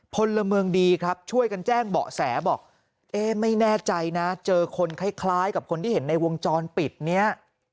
พลเมืองดีครับช่วยกันแจ้งเบาะแสบอกเอ๊ะไม่แน่ใจนะเจอคนคล้ายกับคนที่เห็นในวงจรปิดเนี่ย